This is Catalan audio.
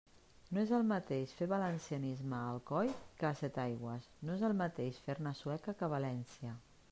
No és el mateix fer valencianisme a Alcoi que a Setaigües, no és el mateix fer-ne a Sueca que a València.